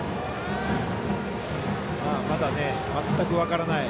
まだ全く分からない